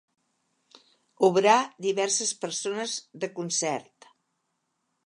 Obrar, diverses persones, de concert.